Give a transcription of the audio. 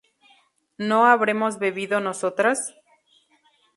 ¿no habremos bebido nosotras?